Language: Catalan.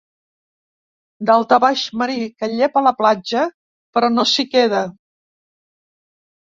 Daltabaix marí que llepa la platja però no s'hi queda.